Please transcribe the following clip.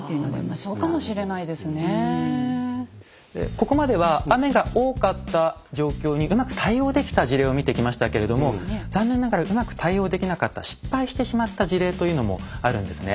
ここまでは雨が多かった状況にうまく対応できた事例を見てきましたけれども残念ながらうまく対応できなかった失敗してしまった事例というのもあるんですね。